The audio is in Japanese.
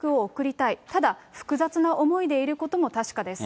ただ複雑な思いでいることも確かです。